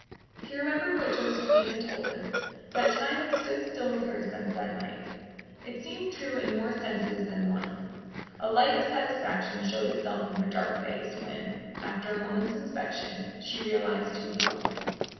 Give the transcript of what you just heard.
He remembered what Josephine had told him that time had stood still with her since that night: it seemed true in more senses than one. A light of satisfaction showed itself in her dark face when, after a moment's inspection, she realized who he was.